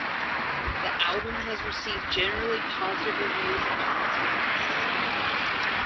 The album has received generally positive reviews upon its release.